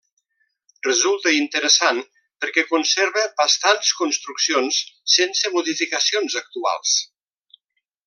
Resulta interessant perquè conserva bastants construccions sense modificacions actuals.